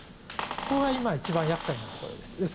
ここが今一番厄介なところです。